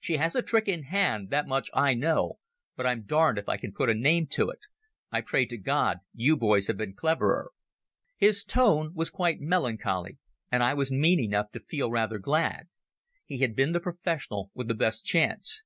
She has a trick in hand—that much I know, but I'm darned if I can put a name to it. I pray to God you boys have been cleverer." His tone was quite melancholy, and I was mean enough to feel rather glad. He had been the professional with the best chance.